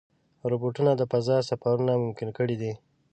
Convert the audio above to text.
روبوټونه د فضا سفرونه ممکن کړي دي.